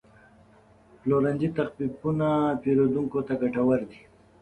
د پلورنځي تخفیفونه پیرودونکو ته ګټور دي.